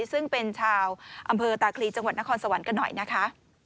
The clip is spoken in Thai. ซึ่งเป็นชาวอำเภอตาคลีจังหวัดนครสวรรค์กันหน่อยนะคะ